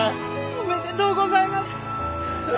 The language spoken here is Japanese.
おめでとうございます！